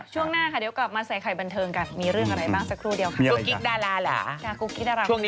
ช่วงหน้าค่ะเดี๋ยวกลับมาใส่ไขบันเทิงกัน